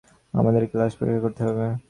আমাদেরকে লাশ পরীক্ষা করতে হবে।